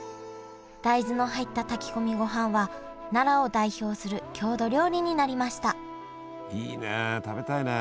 大豆の入った炊き込みごはんは奈良を代表する郷土料理になりましたいいねえ食べたいね。